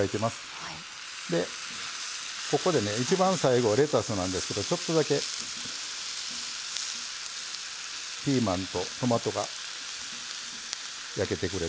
ここでね一番最後レタスなんですけどちょっとだけピーマンとトマトが焼けてくれたらうれしい。